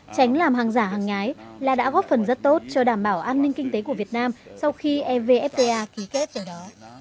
tránh làm hàng giả hàng nhái là đã góp phần rất tốt cho đảm bảo an ninh kinh tế của việt nam sau khi evfta ký kết ở đó